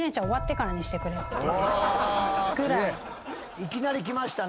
いきなりきましたね。